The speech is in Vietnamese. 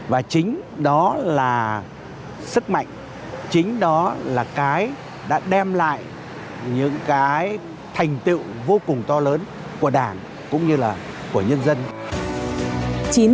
và chính đó là sức mạnh chính đó là cái đã đem lại những cái thành tựu vô cùng to lớn của đảng cũng như là của nhân dân